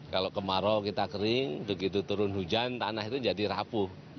kalau kemarau kita kering begitu turun hujan tanah itu jadi rapuh